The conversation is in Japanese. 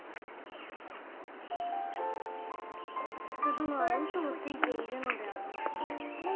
どのは嘘をついているのであろう？